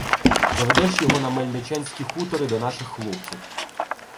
Заведеш його на Мельничанські хутори до наших хлопців.